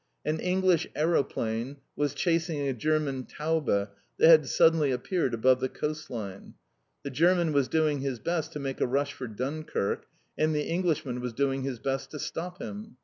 An English aeroplane was chasing a German Taube that had suddenly appeared above the coast line. The German was doing his best to make a rush for Dunkirk, and the Englishman was doing his best to stop him.